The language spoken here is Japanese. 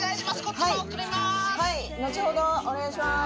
後ほどお願いしまーす。